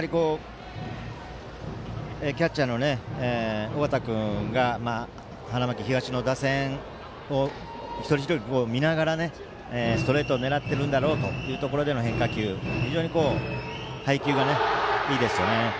キャッチャーの尾形君が花巻東の打線を一人一人見ながらストレートを狙ってるんだろうというところでの変化球、非常に配球がいいですね。